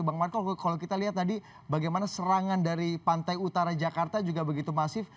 bang marco kalau kita lihat tadi bagaimana serangan dari pantai utara jakarta juga begitu masif